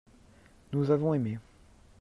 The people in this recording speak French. nous avons aimé.